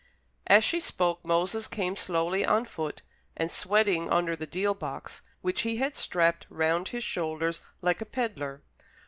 As she spoke, Moses came slowly on foot, and sweating under the deal box, which he had strapped round his shoulders like a pedlar.